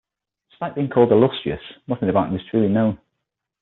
Despite being called "illustrious," nothing about him is truly known.